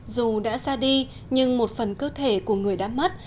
dù đã ra đi nhưng một phần cơ thể của người đã mất